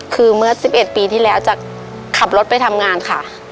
คือเมื่อ๑๑ปีที่แล้วจากขับรถไปทำงานค่ะ